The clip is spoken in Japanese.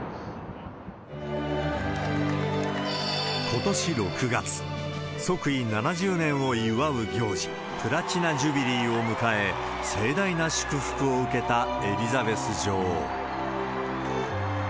ことし６月、即位７０年を祝う行事、プラチナジュビリーを迎え、盛大な祝福を受けたエリザベス女王。